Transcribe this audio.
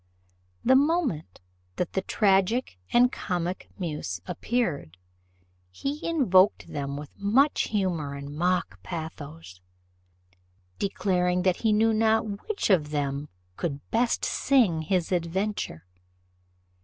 The moment that the tragic and comic muse appeared, he invoked them with much humour and mock pathos, declaring that he knew not which of them could best sing his adventure.